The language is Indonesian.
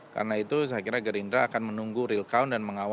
karena itu saya kira gerindra akan menunggu real count dan mengakui